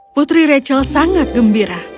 putri rachel sangat gembira